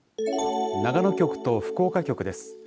長野局と福岡局です。